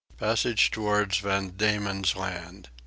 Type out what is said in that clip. Passage towards Van Diemen's Land.